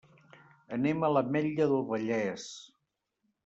Anem a l'Ametlla del Vallès.